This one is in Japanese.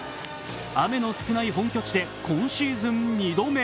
雨の少ない本拠地で今シーズン２度目。